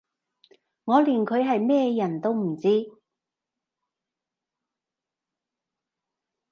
我連佢係咩人都唔知